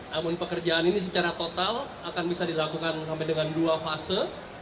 namun pekerjaan ini secara total akan bisa dilakukan sampai dengan dua fase